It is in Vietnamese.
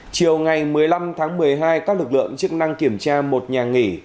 chiều ngày một mươi năm tháng một mươi hai các lực lượng chức năng kiểm tra một nhà nghỉ